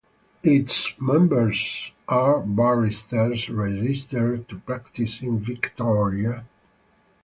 Its members are barristers registered to practise in Victoria.